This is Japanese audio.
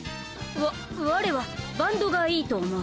わ我はバンドがいいと思う。